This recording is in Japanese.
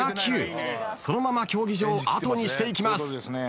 そのまま競技場後にしていきます。